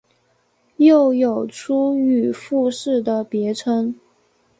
又有出羽富士的别称。